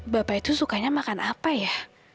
bapak itu sukanya makan apa ya